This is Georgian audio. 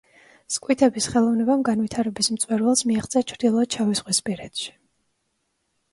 სკვითების ხელოვნებამ განვითარების მწვერვალს მიაღწია ჩრდილოეთ შავიზღვისპირეთში.